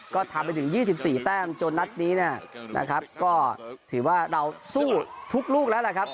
ก็ทำไปถึง๒๔แต้มจนนัดนี้เนี่ยนะครับก็ถือว่าเราสู้ทุกลูกแล้วแหละครับ